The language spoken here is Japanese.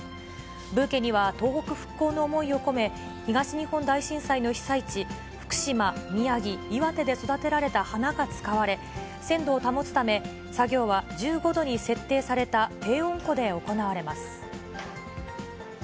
ブーケには、東北復興の思いを込め、東日本大震災の被災地、福島、宮城、岩手で育てられた花が使われ、鮮度を保つため、作業は１５度に設定された低温庫で行われます。